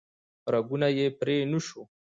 رګونه یې پرې نه شو